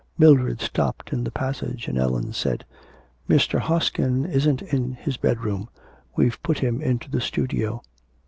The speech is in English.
Mildred stopped in the passage, and Ellen said: 'Mr. Hoskin isn't in his bedroom. We've put him into the studio.'